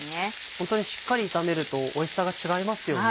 ホントにしっかり炒めるとおいしさが違いますよね。